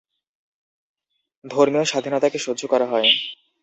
ধর্মীয় স্বাধীনতাকে সহ্য করা হয়।